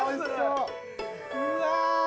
うわ。